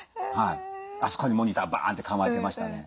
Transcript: あそこにモニターバーンって構えてましたね。